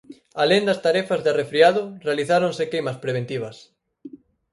Alén das tarefas de arrefriado, realizáronse queimas preventivas.